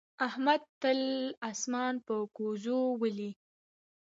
احمد تل اسمان په ګوزو ولي.